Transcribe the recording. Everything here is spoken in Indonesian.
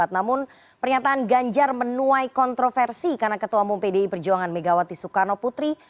namun pernyataan ganjar menuai kontroversi karena ketua umum pdi perjuangan megawati soekarno putri